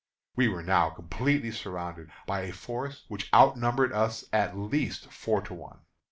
We were now completely surrounded by a force which outnumbered us at least four to one.